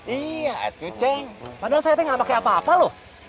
iya tuh ceng padahal saya teh ga pake apa apa loh